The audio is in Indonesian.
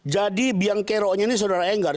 jadi biang kero nya ini saudara enggar